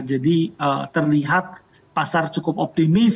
jadi terlihat pasar cukup optimis